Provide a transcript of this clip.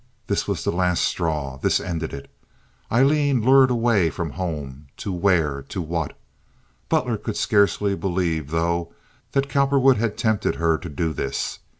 This was the last straw. This ended it. Aileen lured away from home—to where—to what? Butler could scarcely believe, though, that Cowperwood had tempted her to do this.